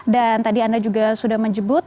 dan tadi anda juga sudah menyebut